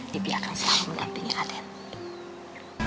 dibiarkan selalu mendampingi aden